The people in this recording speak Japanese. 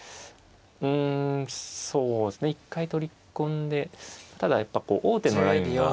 うんそうですね一回取り込んでただやっぱ王手のラインが。